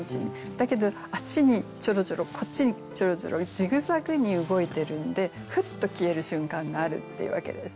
だけどあっちにチョロチョロこっちにチョロチョロジグザグに動いてるんでふっと消える瞬間があるっていうわけですね。